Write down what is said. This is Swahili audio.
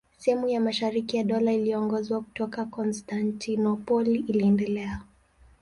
Sehemu ya mashariki ya Dola iliyoongozwa kutoka Konstantinopoli iliendelea.